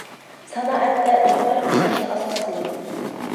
سانائەتتە ئۈزۈم ھارىقى ئىشلەشنى ئاساس قىلىدۇ.